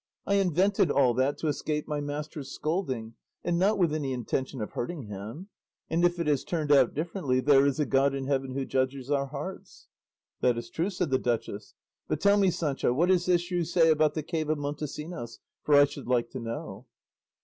I invented all that to escape my master's scolding, and not with any intention of hurting him; and if it has turned out differently, there is a God in heaven who judges our hearts." "That is true," said the duchess; "but tell me, Sancho, what is this you say about the cave of Montesinos, for I should like to know."